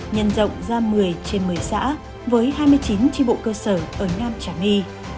nhân rộng ra một mươi trên một mươi xã với hai mươi chín tri bộ cơ sở ở nam trà my